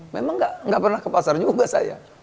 memang enggak enggak pernah ke pasar juga saya